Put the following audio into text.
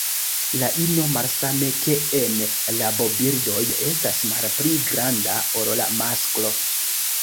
La ino, malsame ke en rabobirdoj, estas malpli granda ol la masklo.